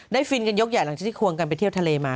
ฟินกันยกใหญ่หลังจากที่ควงกันไปเที่ยวทะเลมา